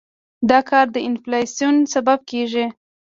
دا کار د انفلاسیون سبب کېږي.